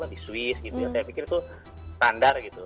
terus di swiss gitu saya pikir itu standar gitu